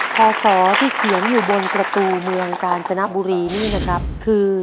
พศที่เขียนอยู่บนประตูเมืองกาญจนบุรีนี่นะครับคือ